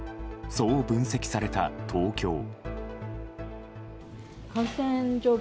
そう分析された東京。